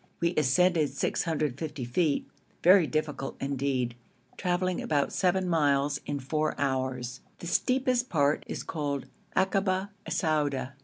We ascended 650 feet very difficult indeed, travelling about seven miles in four hours; the steepest part is called Akaba Sauda.